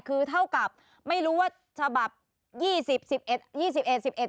คือเท่ากับไม่รู้ว่าฉบับยี่สิบสิบเอ็ดยี่สิบเอ็ดสิบเอ็ด